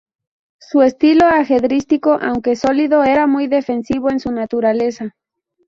Su estilo ajedrecístico, aunque sólido, era muy defensivo en su naturaleza.